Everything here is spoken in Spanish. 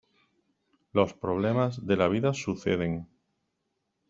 Los problemas de la vida suceden.